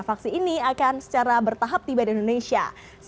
vaksin ini akan secara bertahap tiba di indonesia